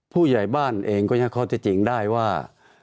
ผู้ใหญ่บ้านเองก็ยังค่อยจะจริงได้ว่า